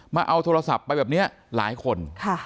มาเอาโทรศัพท์ไปแบบนี้หลายคน